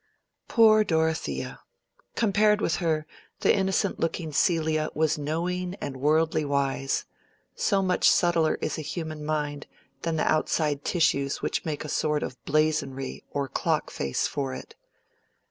Poor Dorothea! compared with her, the innocent looking Celia was knowing and worldly wise; so much subtler is a human mind than the outside tissues which make a sort of blazonry or clock face for it.